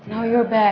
sekarang kamu kembali